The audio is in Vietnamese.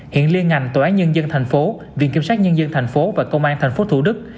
hiện liên ngành tòa án nhân dân tp viện kiểm soát nhân dân tp và công an tp thủ đức